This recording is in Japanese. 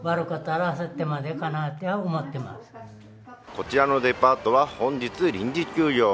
こちらのデパートは本日、臨時休業。